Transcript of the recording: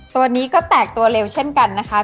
ตัวนี้ก็แตกตัวเร็วเช่นกันนะคะ